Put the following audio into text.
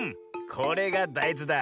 これがだいずだ。